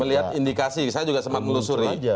melihat indikasi saya juga sempat melusuri